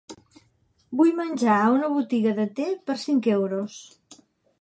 vull menjar a una botiga de te per cinc euros